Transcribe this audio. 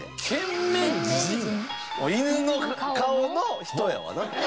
犬の顔の人やわな。